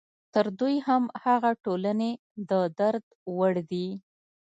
تر دوی هم هغه ټولنې د درد وړ دي.